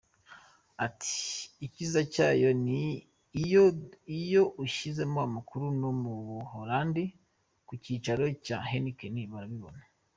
Ati “icyiza cyayo iyo ushyizemo amakuru no mu buholandi ku cyicaro cya Heineken barabibona.